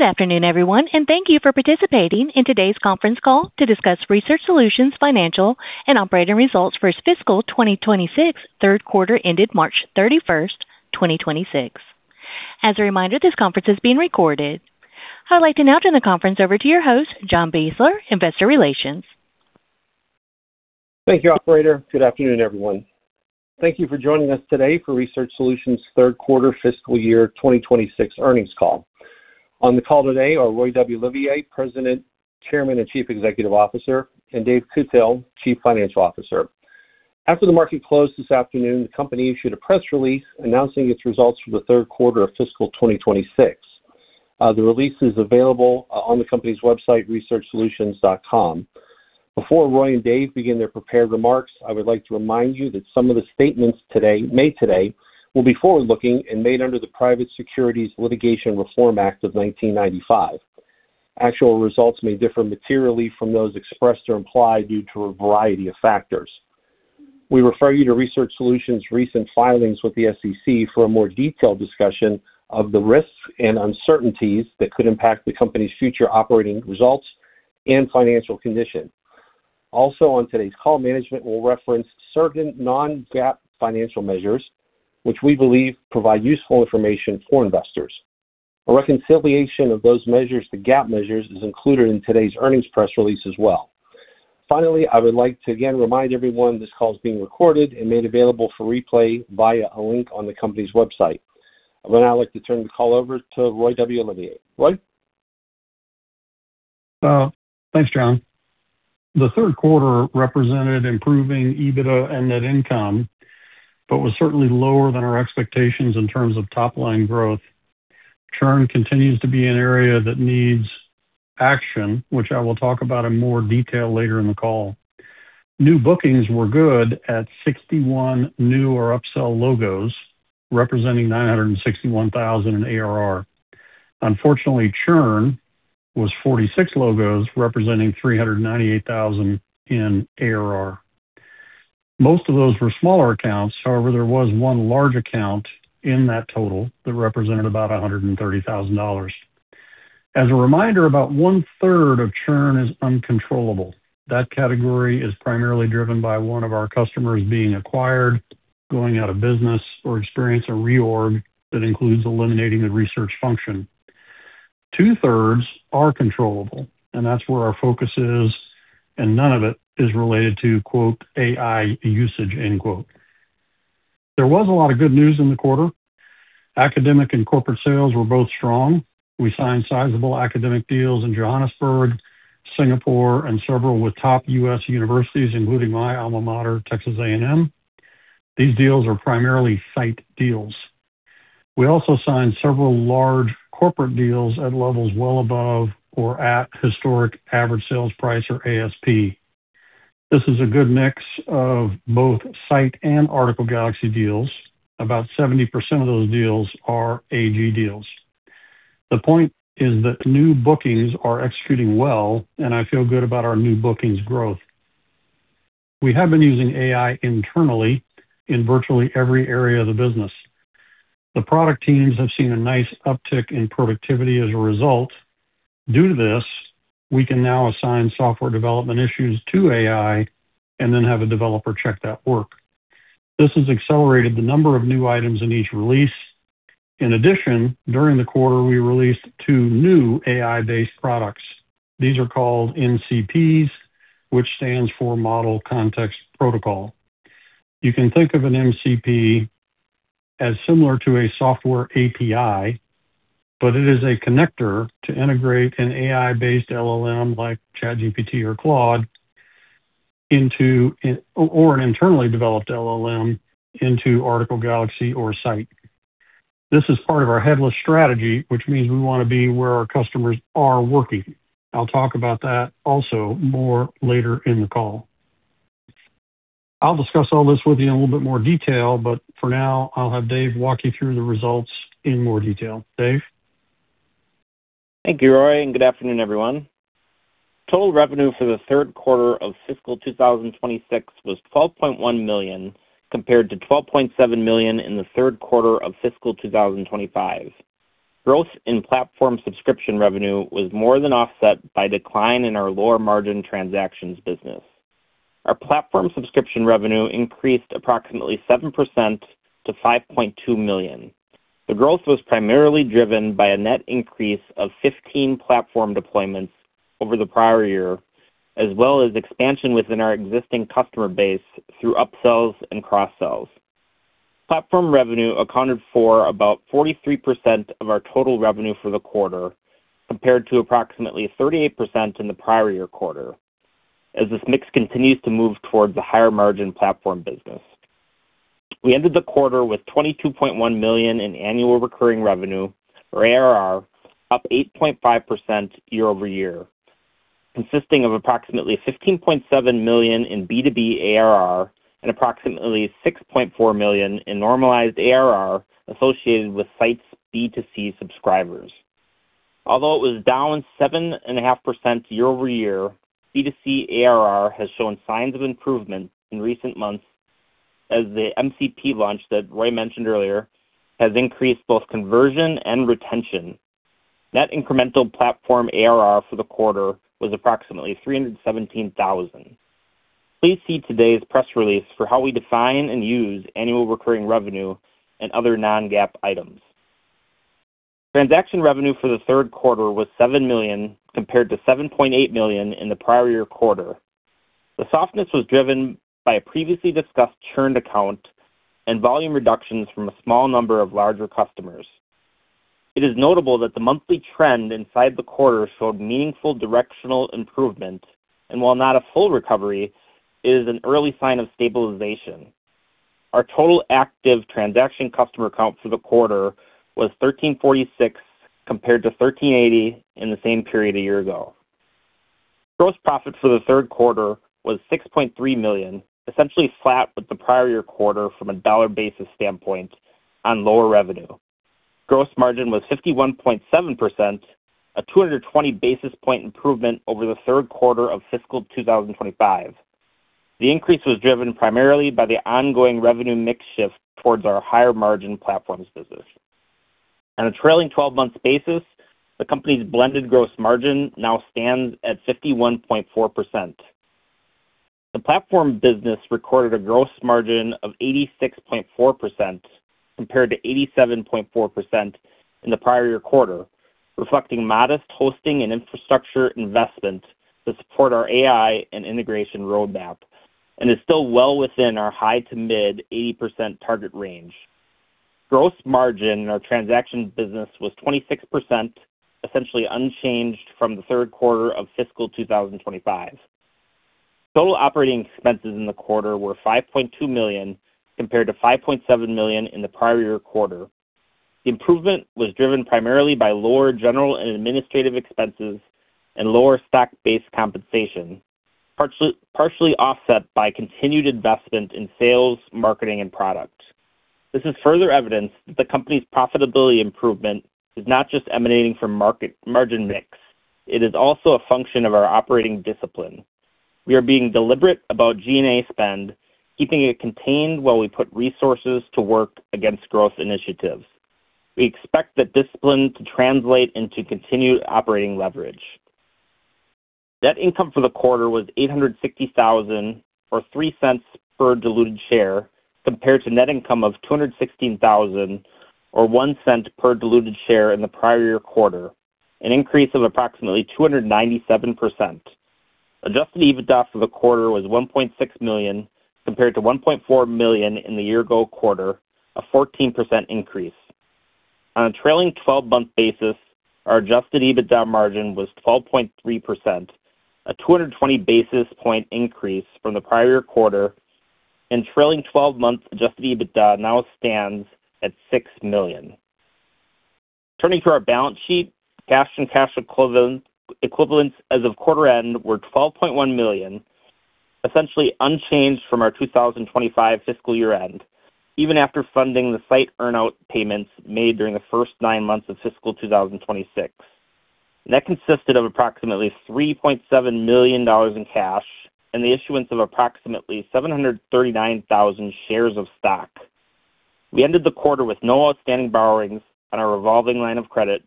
Good afternoon, everyone, and thank you for participating in today's conference call to discuss Research Solutions' financial and operating results for its fiscal 2026 third quarter ended March 31st, 2026. As a reminder, this conference is being recorded. I'd like to now turn the conference over to your host, John Beisler, Investor Relations. Thank you, operator. Good afternoon, everyone. Thank you for joining us today for Research Solutions' third quarter fiscal year 2026 earnings call. On the call today are Roy W. Olivier, President, Chairman, and Chief Executive Officer, and Dave Kutil, Chief Financial Officer. After the market closed this afternoon, the company issued a press release announcing its results for the third quarter of fiscal 2026. The release is available on the company's website, researchsolutions.com. Before Roy and Dave begin their prepared remarks, I would like to remind you that some of the statements made today will be forward-looking and made under the Private Securities Litigation Reform Act of 1995. Actual results may differ materially from those expressed or implied due to a variety of factors. We refer you to Research Solutions' recent filings with the SEC for a more detailed discussion of the risks and uncertainties that could impact the company's future operating results and financial condition. On today's call, management will reference certain non-GAAP financial measures which we believe provide useful information for investors. A reconciliation of those measures to GAAP measures is included in today's earnings press release as well. I would like to again remind everyone this call is being recorded and made available for replay via a link on the company's website. I would now like to turn the call over to Roy W. Olivier. Roy? Thanks, John. The third quarter represented improving EBITDA and net income but was certainly lower than our expectations in terms of top-line growth. Churn continues to be an area that needs action, which I will talk about in more detail later in the call. New bookings were good at 61 new or upsell logos, representing $961,000 in ARR. Unfortunately, churn was 46 logos, representing $398,000 in ARR. Most of those were smaller accounts. However, there was one large account in that total that represented about $130,000. As a reminder, about one-third of churn is uncontrollable. That category is primarily driven by one of our customers being acquired, going out of business, or experience a reorg that includes eliminating the research function. Two-thirds are controllable, and that's where our focus is, and none of it is related to, quote, AI usage, end quote. There was a lot of good news in the quarter. Academic and corporate sales were both strong. We signed sizable academic deals in Johannesburg, Singapore, and several with top U.S. universities, including my alma mater, Texas A&M. These deals are primarily scite deals. We also signed several large corporate deals at levels well above or at historic average sales price, or ASP. This is a good mix of both scite and Article Galaxy deals. About 70% of those deals are AG deals. The point is that new bookings are executing well, and I feel good about our new bookings growth. We have been using AI internally in virtually every area of the business. The product teams have seen a nice uptick in productivity as a result. Due to this, we can now assign software development issues to AI and then have a developer check that work. This has accelerated the number of new items in each release. In addition, during the quarter, we released two new AI-based products. These are called MCPs, which stands for Model Context Protocol. You can think of an MCP as similar to a software API, but it is a connector to integrate an AI-based LLM, like ChatGPT or Claude, or an internally developed LLM into Article Galaxy or scite. This is part of our headless strategy, which means we want to be where our customers are working. I'll talk about that also more later in the call. I'll discuss all this with you in a little bit more detail, but for now, I'll have Dave walk you through the results in more detail. Dave? Thank you, Roy, and good afternoon, everyone. Total revenue for the third quarter of fiscal 2026 was $12.1 million, compared to $12.7 million in the third quarter of fiscal 2025. Growth in platform subscription revenue was more than offset by decline in our lower margin transactions business. Our platform subscription revenue increased approximately 7% to $5.2 million. The growth was primarily driven by a net increase of 15 platform deployments over the prior year, as well as expansion within our existing customer base through upsells and cross-sells. Platform revenue accounted for about 43% of our total revenue for the quarter, compared to approximately 38% in the prior year quarter, as this mix continues to move towards the higher margin platform business. We ended the quarter with $22.1 million in annual recurring revenue, or ARR, up 8.5% year-over-year, consisting of approximately $15.7 million in B2B ARR and approximately $6.4 million in normalized ARR associated with scite's B2C subscribers. Although it was down 7.5% year-over-year, B2C ARR has shown signs of improvement in recent months. As the MCP launch that Roy mentioned earlier has increased both conversion and retention. Net incremental platform ARR for the quarter was approximately $317,000. Please see today's press release for how we define and use annual recurring revenue and other non-GAAP items. Transaction revenue for the third quarter was $7 million, compared to $7.8 million in the prior year quarter. The softness was driven by a previously discussed churned account and volume reductions from a small number of larger customers. It is notable that the monthly trend inside the quarter showed meaningful directional improvement, and while not a full recovery, it is an early sign of stabilization. Our total active transaction customer count for the quarter was 1,346, compared to 1,380 in the same period a year ago. Gross profit for the third quarter was $6.3 million, essentially flat with the prior year quarter from a dollar basis standpoint on lower revenue. Gross margin was 51.7%, a 220 basis point improvement over the third quarter of fiscal 2025. The increase was driven primarily by the ongoing revenue mix shift towards our higher margin platforms business. On a trailing 12-month basis, the company's blended gross margin now stands at 51.4%. The platform business recorded a gross margin of 86.4% compared to 87.4% in the prior year quarter, reflecting modest hosting and infrastructure investment to support our AI and integration roadmap, and is still well within our high to mid 80% target range. Gross margin in our transaction business was 26%, essentially unchanged from the third quarter of fiscal 2025. Total operating expenses in the quarter were $5.2 million compared to $5.7 million in the prior year quarter. The improvement was driven primarily by lower G&A expenses and lower stock-based compensation, partially offset by continued investment in sales, marketing, and product. This is further evidence that the company's profitability improvement is not just emanating from margin mix. It is also a function of our operating discipline. We are being deliberate about G&A spend, keeping it contained while we put resources to work against growth initiatives. We expect the discipline to translate into continued operating leverage. Net income for the quarter was $860,000, or $0.03 per diluted share, compared to net income of $216,000, or $0.01 per diluted share in the prior year quarter, an increase of approximately 297%. Adjusted EBITDA for the quarter was $1.6 million compared to $1.4 million in the year ago quarter, a 14% increase. On a trailing 12-month basis, our adjusted EBITDA margin was 12.3%, a 220 basis points increase from the prior year quarter. Trailing 12-month adjusted EBITDA now stands at $6 million. Turning to our balance sheet, cash and cash equivalents as of quarter end were $12.1 million, essentially unchanged from our 2025 fiscal year-end, even after funding the scite earn-out payments made during the first nine months of fiscal 2026. That consisted of approximately $3.7 million in cash and the issuance of approximately 739,000 shares of stock. We ended the quarter with no outstanding borrowings on our revolving line of credit,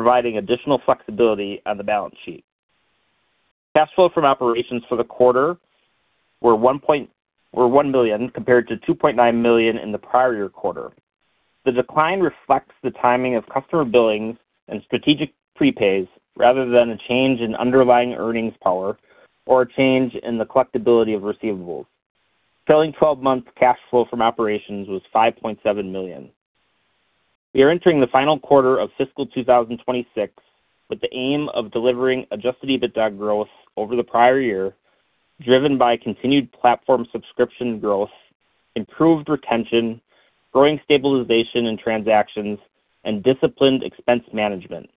providing additional flexibility on the balance sheet. Cash flow from operations for the quarter were $1 million compared to $2.9 million in the prior year quarter. The decline reflects the timing of customer billings and strategic prepays rather than a change in underlying earnings power or a change in the collectibility of receivables. Trailing 12-month cash flow from operations was $5.7 million. We are entering the final quarter of fiscal 2026 with the aim of delivering adjusted EBITDA growth over the prior year, driven by continued platform subscription growth, improved retention, growing stabilization in transactions, and disciplined expense management.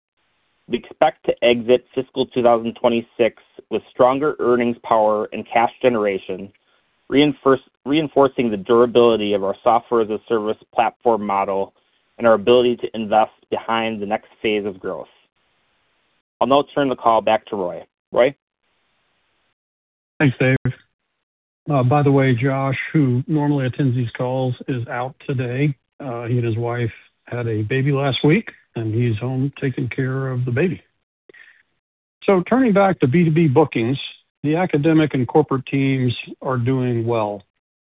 We expect to exit fiscal 2026 with stronger earnings power and cash generation, reinforcing the durability of our software as a service platform model and our ability to invest behind the next phase of growth. I'll now turn the call back to Roy. Roy? Thanks, Dave. By the way, Josh, who normally attends these calls, is out today. He and his wife had a baby last week, and he's home taking care of the baby. Turning back to B2B bookings, the academic and corporate teams are doing well.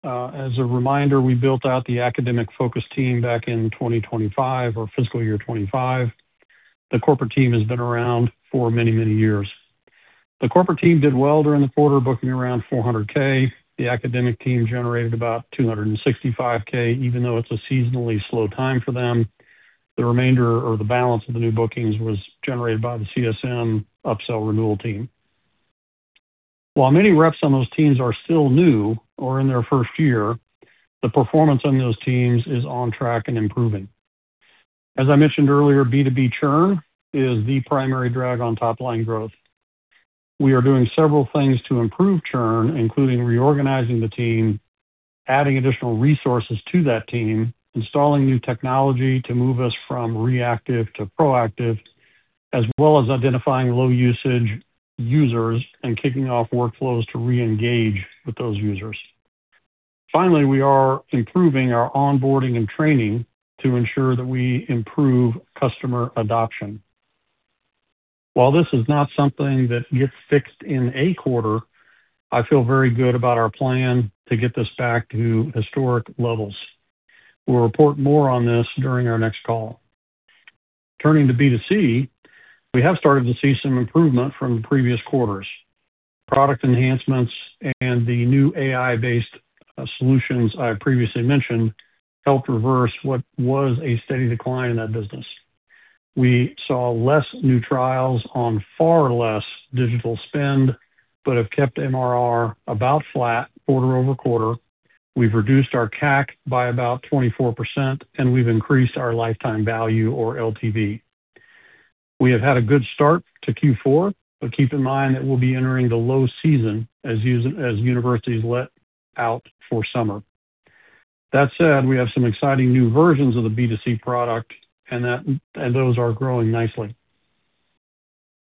As a reminder, we built out the academic-focused team back in 2025 or fiscal year 2025. The corporate team has been around for many, many years. The corporate team did well during the quarter, booking around $400,000. The academic team generated about $265,000, even though it's a seasonally slow time for them. The remainder or the balance of the new bookings was generated by the CSM upsell renewal team. While many reps on those teams are still new or in their first year, the performance on those teams is on track and improving. As I mentioned earlier, B2B churn is the primary drag on top-line growth. We are doing several things to improve churn, including reorganizing the team, adding additional resources to that team, installing new technology to move us from reactive to proactive, as well as identifying low usage users and kicking off workflows to reengage with those users. Finally, we are improving our onboarding and training to ensure that we improve customer adoption. While this is not something that gets fixed in a quarter, I feel very good about our plan to get this back to historic levels. We'll report more on this during our next call. Turning to B2C, we have started to see some improvement from previous quarters. Product enhancements and the new AI-based solutions I previously mentioned helped reverse what was a steady decline in that business. We saw less new trials on far less digital spend, have kept MRR about flat quarter-over-quarter. We've reduced our CAC by about 24%, and we've increased our lifetime value or LTV. We have had a good start to Q4, but keep in mind that we'll be entering the low season as universities let out for summer. That said, we have some exciting new versions of the B2C product and those are growing nicely.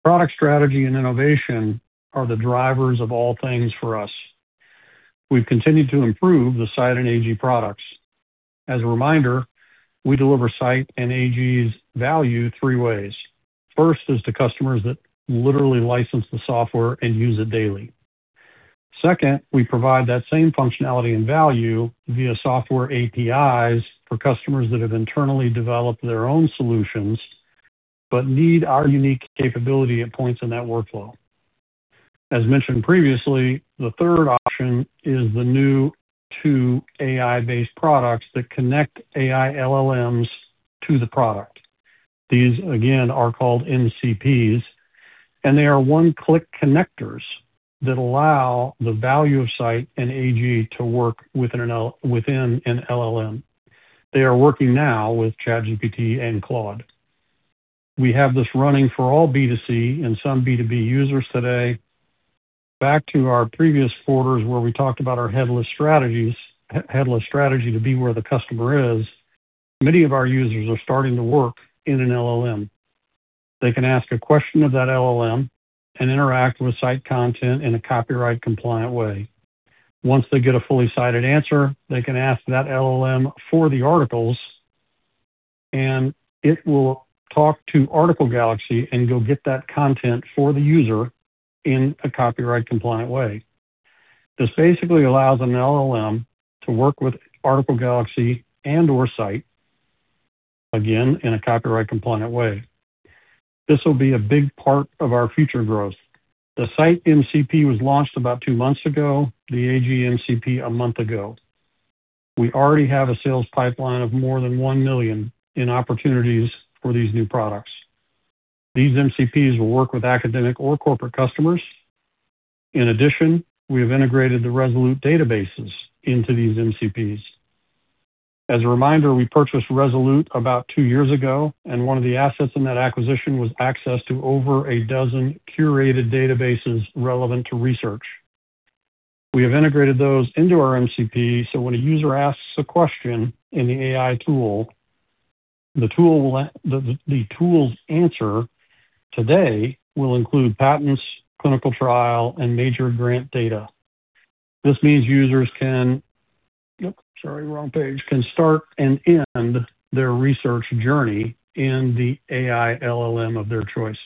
Product strategy and innovation are the drivers of all things for us. We've continued to improve the scite and AG products. As a reminder, we deliver scite and AG's value three ways. First is to customers that literally license the software and use it daily. Second, we provide that same functionality and value via software APIs for customers that have internally developed their own solutions but need our unique capability at points in that workflow. The third option is the new two AI-based products that connect AI LLMs to the product. These, again, are called MCPs, and they are one-click connectors that allow the value of scite and AG to work within an LLM. They are working now with ChatGPT and Claude. We have this running for all B2C and some B2B users today. Back to our previous quarters where we talked about our headless strategies, headless strategy to be where the customer is, many of our users are starting to work in an LLM. They can ask a question of that LLM and interact with scite content in a copyright compliant way. Once they get a fully cited answer, they can ask that LLM for the articles, and it will talk to Article Galaxy and go get that content for the user in a copyright compliant way. This basically allows an LLM to work with Article Galaxy and/or scite, again, in a copyright compliant way. This will be a big part of our future growth. The scite MCP was launched about two months ago, the AG MCP one month ago. We already have a sales pipeline of more than $1 million in opportunities for these new products. These MCPs will work with academic or corporate customers. In addition, we have integrated the Resolute databases into these MCPs. As a reminder, we purchased Resolute about two years ago, and one of the assets in that acquisition was access to over a dozen curated databases relevant to research. We have integrated those into our MCP, so when a user asks a question in the AI tool, the tool's answer today will include patents, clinical trial, and major grant data. This means users can start and end their research journey in the AI LLM of their choice.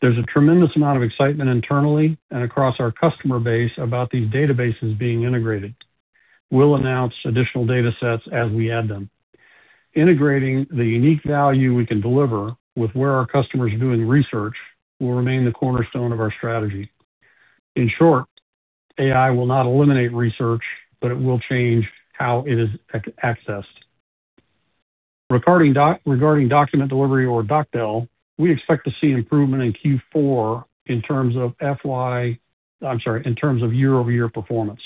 There's a tremendous amount of excitement internally and across our customer base about these databases being integrated. We'll announce additional datasets as we add them. Integrating the unique value we can deliver with where our customers are doing research will remain the cornerstone of our strategy. In short, AI will not eliminate research, but it will change how it is accessed. Regarding document delivery or DocDel, we expect to see improvement in Q4 in terms of year-over-year performance.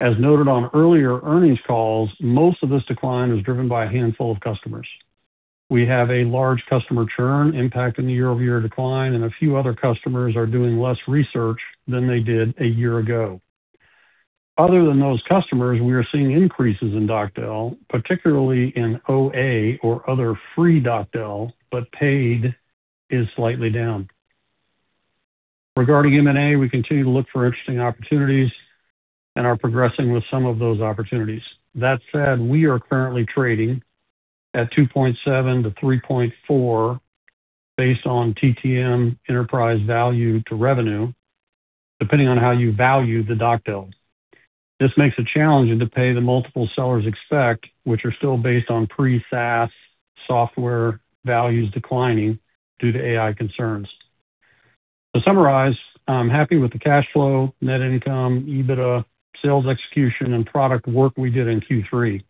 As noted on earlier earnings calls, most of this decline is driven by a handful of customers. We have a large customer churn impacting the year-over-year decline, and a few other customers are doing less research than they did a year ago. Other than those customers, we are seeing increases in DocDel, particularly in OA or other free DocDel, but paid is slightly down. Regarding M&A, we continue to look for interesting opportunities and are progressing with some of those opportunities. That said, we are currently trading at 2.7-3.4 based on TTM enterprise value to revenue, depending on how you value the DocDel. This makes it challenging to pay the multiple sellers expect, which are still based on pre-SaaS software values declining due to AI concerns. To summarize, I'm happy with the cash flow, net income, EBITDA, sales execution, and product work we did in Q3.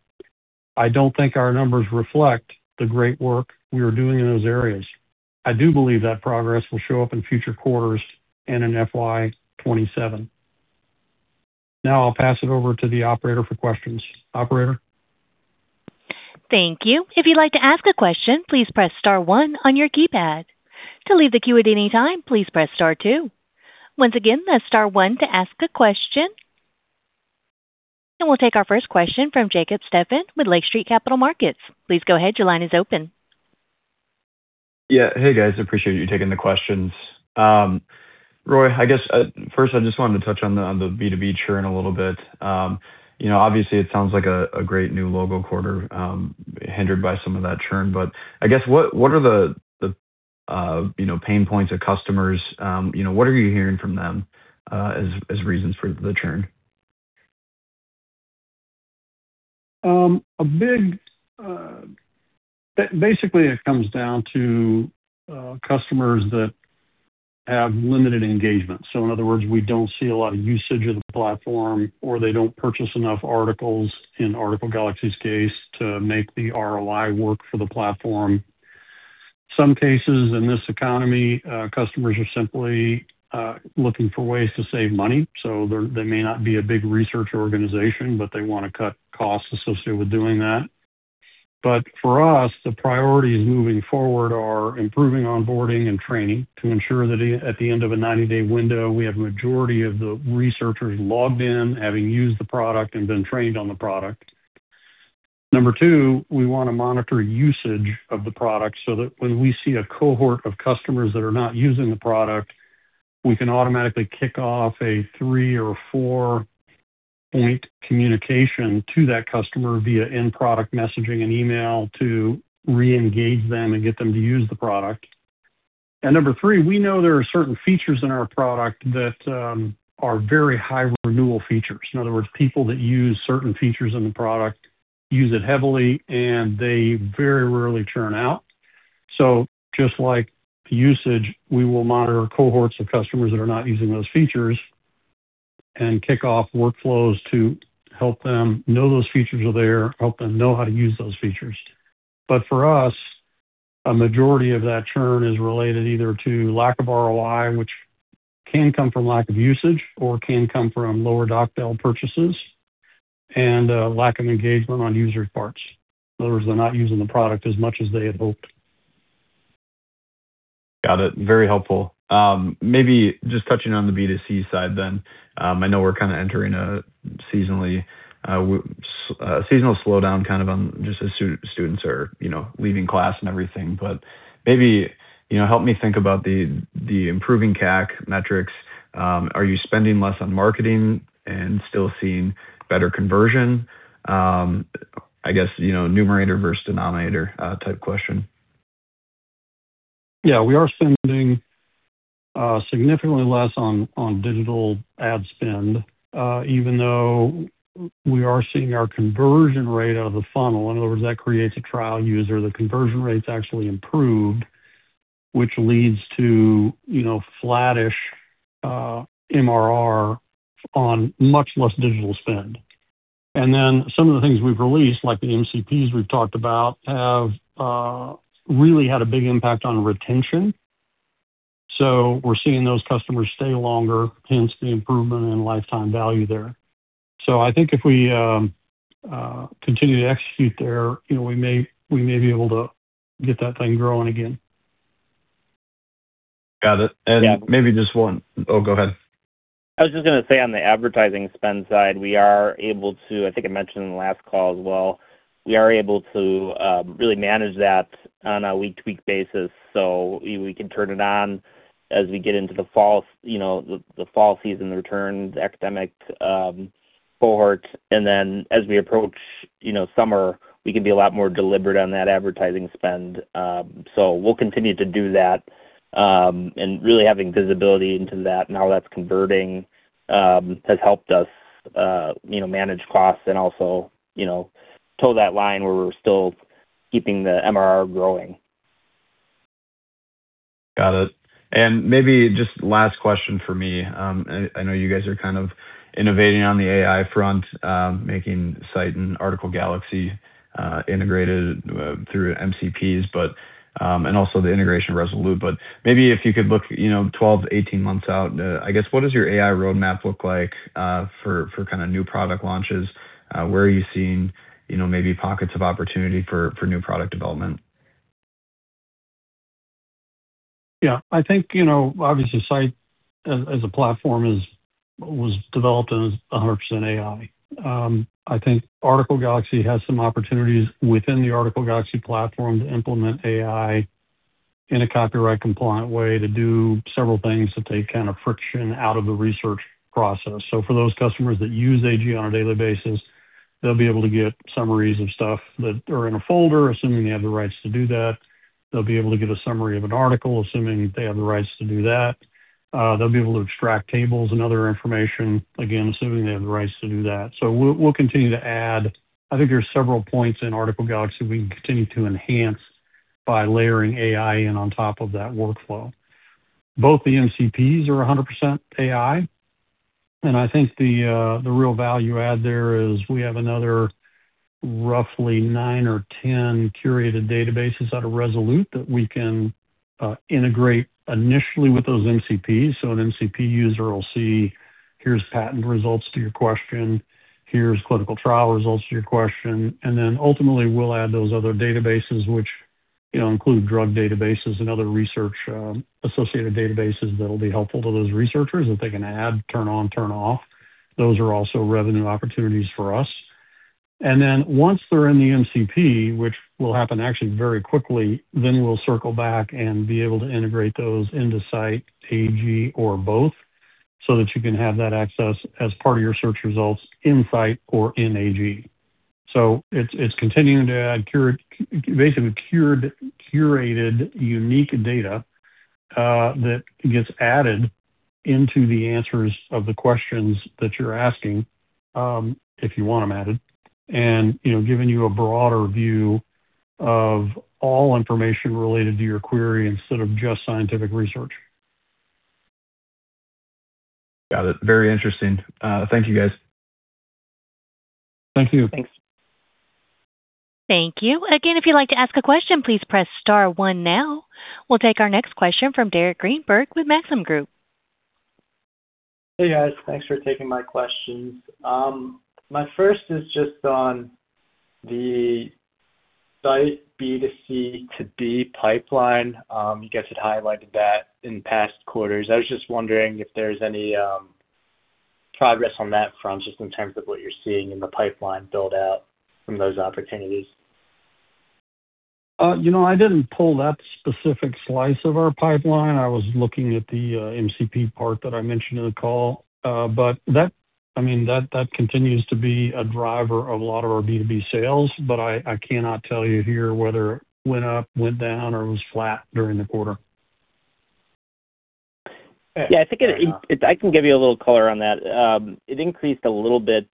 I don't think our numbers reflect the great work we are doing in those areas. I do believe that progress will show up in future quarters and in FY 2027. Now I'll pass it over to the operator for questions. Operator? Thank you. If you'd like to ask a question, please press star one on your keypad. To leave the queue at any time, please press star two. Once again, that's star one to ask a question. We'll take our first question from Jacob Stephan with Lake Street Capital Markets. Please go ahead. Your line is open. Yeah. Hey, guys, I appreciate you taking the questions. Roy, I guess, first, I just wanted to touch on the, on the B2B churn a little bit. You know, obviously, it sounds like a great new logo quarter, hindered by some of that churn. I guess what are the pain points of customers? You know, what are you hearing from them as reasons for the churn? Basically, it comes down to customers that have limited engagement. In other words, we don't see a lot of usage of the platform, or they don't purchase enough articles, in Article Galaxy's case, to make the ROI work for the platform. Some cases in this economy, customers are simply looking for ways to save money. They may not be a big research organization, but they wanna cut costs associated with doing that. For us, the priorities moving forward are improving onboarding and training to ensure that at the end of a 90-day window, we have a majority of the researchers logged in, having used the product and been trained on the product. Number two, we wanna monitor usage of the product so that when we see a cohort of customers that are not using the product, we can automatically kick off a three or four-point communication to that customer via in-product messaging and email to reengage them and get them to use the product. Number three, we know there are certain features in our product that are very high renewal features. In other words, people that use certain features in the product use it heavily, and they very rarely churn out. Just like usage, we will monitor cohorts of customers that are not using those features and kick off workflows to help them know those features are there, help them know how to use those features. For us, a majority of that churn is related either to lack of ROI, which can come from lack of usage or can come from lower DocDel purchases, and lack of engagement on users' parts. In other words, they're not using the product as much as they had hoped. Got it. Very helpful. Maybe just touching on the B2C side then. I know we're kinda entering a seasonally, seasonal slowdown, kind of on just as students are, you know, leaving class and everything. Maybe, you know, help me think about the improving CAC metrics. Are you spending less on marketing and still seeing better conversion? I guess, you know, numerator versus denominator, type question. Yeah. We are spending significantly less on digital ad spend, even though we are seeing our conversion rate out of the funnel. In other words, that creates a trial user. The conversion rate's actually improved, which leads to, you know, flattish MRR on much less digital spend. Some of the things we've released, like the MCPs we've talked about, have really had a big impact on retention. We're seeing those customers stay longer, hence the improvement in lifetime value there. I think if we continue to execute there, you know, we may be able to get that thing growing again. Got it. Yeah. Maybe just one. Oh, go ahead. I was just gonna say, on the advertising spend side, we are able to, I think I mentioned in the last call as well, we are able to really manage that on a week-to-week basis. We can turn it on as we get into the fall, you know, the fall season returns, academic cohort, and then as we approach, you know, summer, we can be a lot more deliberate on that advertising spend. We'll continue to do that, and really having visibility into that and how that's converting has helped us, you know, manage costs and also, you know, tow that line where we're still keeping the MRR growing. Got it. Maybe just last question for me. I know you guys are kind of innovating on the AI front, making scite and Article Galaxy integrated through MCPs, but and also the integration of Resolute. Maybe if you could look, you know, 12 to 18 months out, I guess what does your AI roadmap look like for kinda new product launches? Where are you seeing, you know, maybe pockets of opportunity for new product development? Yeah. I think, you know, obviously scite as a platform was developed as a hundred percent AI. I think Article Galaxy has some opportunities within the Article Galaxy platform to implement AI in a copyright compliant way to do several things that take kinda friction out of the research process. For those customers that use AG on a daily basis, they'll be able to get summaries of stuff that are in a folder, assuming they have the rights to do that. They'll be able to get a summary of an article, assuming they have the rights to do that. They'll be able to extract tables and other information, again, assuming they have the rights to do that. We'll continue to add I think there are several points in Article Galaxy we can continue to enhance by layering AI in on top of that workflow. Both the MCPs are 100% AI, and I think the real value add there is we have another roughly nine or 10 curated databases out of Resolute that we can integrate initially with those MCPs. An MCP user will see, "Here's patent results to your question. Here's clinical trial results to your question." Then ultimately, we'll add those other databases which you know, include drug databases and other research associated databases that'll be helpful to those researchers that they can add, turn on, turn off. Those are also revenue opportunities for us. Once they're in the MCP, which will happen actually very quickly, then we'll circle back and be able to integrate those into scite AG or both, so that you can have that access as part of your search results in scite or in AG. It's continuing to add curated unique data that gets added into the answers of the questions that you're asking, if you want them added, and, you know, giving you a broader view of all information related to your query instead of just scientific research. Got it. Very interesting. Thank you, guys. Thank you. Thanks. Thank you. Again, if you'd like to ask a question, please press star one now. We'll take our next question from Derek Greenberg with Maxim Group. Hey, guys. Thanks for taking my questions. My first is just on the scite B2C, 2B pipeline. You guys had highlighted that in past quarters. I was just wondering if there's any progress on that front, just in terms of what you're seeing in the pipeline build-out from those opportunities. You know, I didn't pull that specific slice of our pipeline. I was looking at the MCP part that I mentioned in the call. I mean, that continues to be a driver of a lot of our B2B sales, but I cannot tell you here whether it went up, went down, or was flat during the quarter. Yeah, I think I can give you a little color on that. It increased a little bit,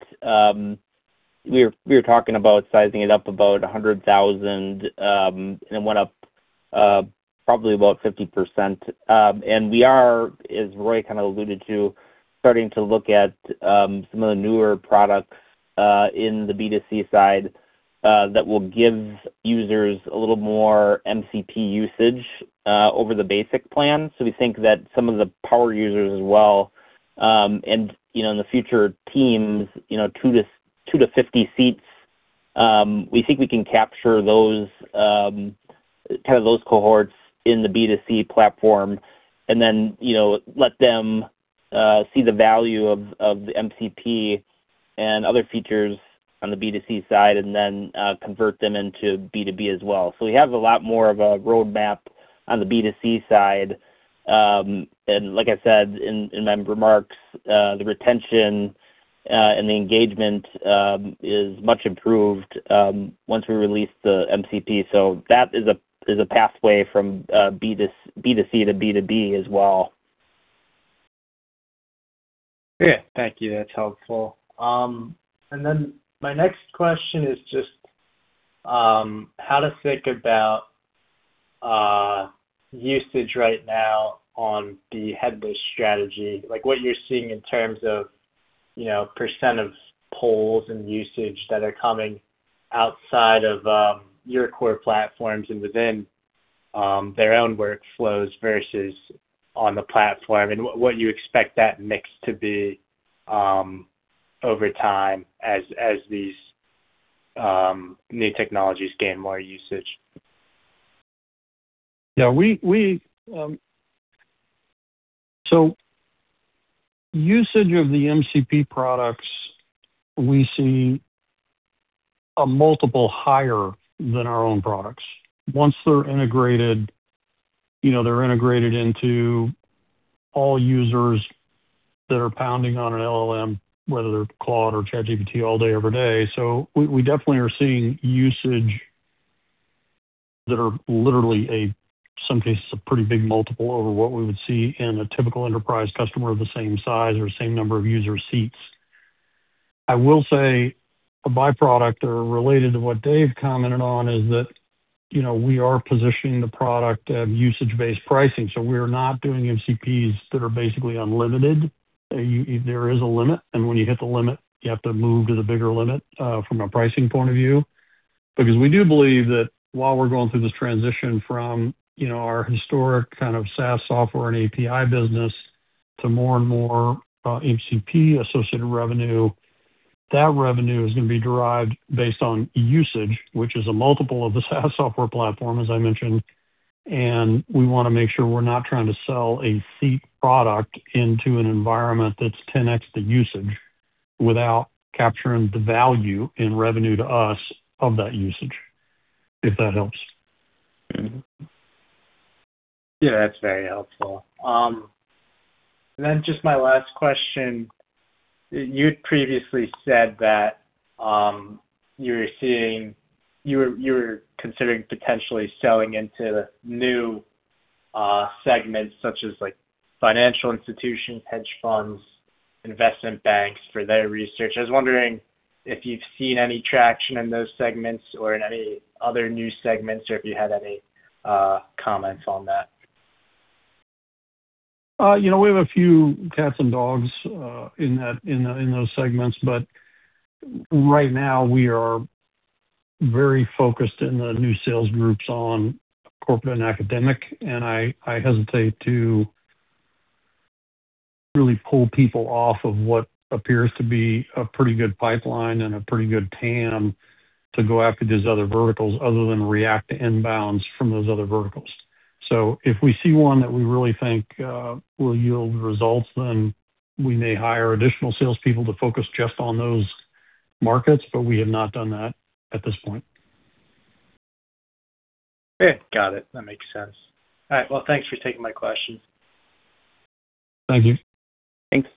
we were talking about sizing it up about $100,000, and it went up probably about 50%. We are, as Roy kind of alluded to, starting to look at some of the newer products in the B2C side that will give users a little more MCP usage over the basic plan. We think that some of the power users as well, and, you know, in the future teams, you know, two to 50 seats, we think we can capture those, kind of those cohorts in the B2C platform and then, you know, let them see the value of the MCP and other features on the B2C side and then convert them into B2B as well. We have a lot more of a roadmap on the B2C side. And like I said in my remarks, the retention and the engagement is much improved once we release the MCP. That is a pathway from B2C to B2B as well. Yeah. Thank you. That's helpful. My next question is just how to think about usage right now on the headless strategy. Like, what you're seeing in terms of, you know, percent of polls and usage that are coming outside of your core platforms and within their own workflows versus on the platform, and what you expect that mix to be over time as these new technologies gain more usage. Yeah, usage of the MCP products, we see a multiple higher than our own products. Once they're integrated, you know, they're integrated into all users that are pounding on an LLM, whether they're Claude or ChatGPT all day, every day. We definitely are seeing usage that are literally a, some cases, a pretty big multiple over what we would see in a typical enterprise customer of the same size or same number of user seats. I will say a byproduct or related to what Dave commented on is that, you know, we are positioning the product of usage-based pricing. We're not doing MCPs that are basically unlimited. There is a limit, and when you hit the limit, you have to move to the bigger limit from a pricing point of view. Because we do believe that while we're going through this transition from, you know, our historic kind of SaaS software and API business to more and more, MCP-associated revenue, that revenue is going to be derived based on usage, which is a multiple of the SaaS software platform, as I mentioned. We want to make sure we're not trying to sell a seat product into an environment that's 10x the usage without capturing the value in revenue to us of that usage, if that helps. Yeah, that's very helpful. Just my last question. You previously said that, you were considering potentially selling into new segments such as like financial institutions, hedge funds, investment banks for their research, I was wondering if you've seen any traction in those segments or in any other new segments or if you had any comments on that? You know, we have a few cats and dogs, in those segments, but right now we are very focused in the new sales groups on corporate and academic. I hesitate to really pull people off of what appears to be a pretty good pipeline and a pretty good TAM to go after these other verticals other than react to inbounds from those other verticals. If we see one that we really think will yield results, then we may hire additional salespeople to focus just on those markets, but we have not done that at this point. Yeah. Got it. That makes sense. All right. Well, thanks for taking my questions. Thank you. Thanks.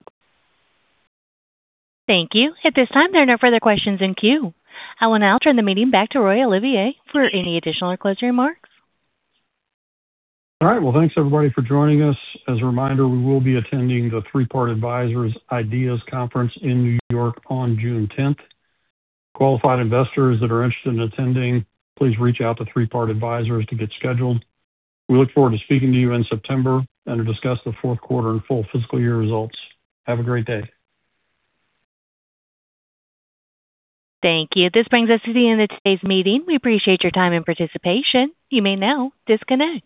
Thank you. At this time, there are no further questions in queue. I will now turn the meeting back to Roy Olivier for any additional or closing remarks. All right. Well, thanks everybody for joining us. As a reminder, we will be attending the Three Part Advisors IDEAS Conference in New York on June 10th. Qualified investors that are interested in attending, please reach out to Three Part Advisors to get scheduled. We look forward to speaking to you in September and to discuss the fourth quarter and full fiscal year results. Have a great day. Thank you. This brings us to the end of today's meeting. We appreciate your time and participation. You may now disconnect.